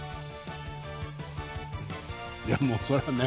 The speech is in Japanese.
いやもうそれはね。